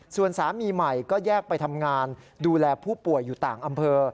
ส่วนสามีใหม่ก็แยกไปทำงานดูแลผู้ป่วยอยู่ต่างอำเภอ